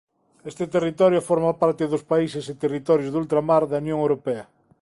Este territorio forma parte dos países e territorios de ultramar da Unión Europea.